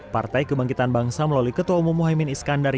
partai kebangkitan bangsa melalui ketua umum muhaymin iskandar